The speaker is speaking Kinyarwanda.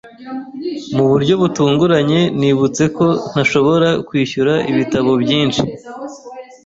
Mu buryo butunguranye, nibutse ko ntashobora kwishyura ibitabo byinshi.